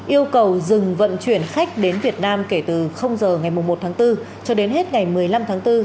yêu cầu dừng vận chuyển khách đến việt nam kể từ giờ ngày một tháng bốn cho đến hết ngày một mươi năm tháng bốn